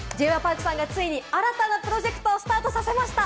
Ｊ．Ｙ．Ｐａｒｋさんがついに新たなプロジェクトをスタートさせました。